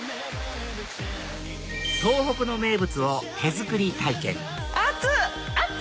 東北の名物を手作り体験熱っ！